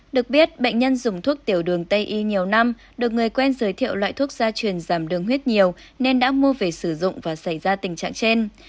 được biết bệnh nhân dùng thuốc tiểu đường tây y nhiều năm được người quen giới thiệu loại thuốc gia truyền giảm đường huyết nhiều nên đã mua về sử dụng và xảy ra tình trạng trên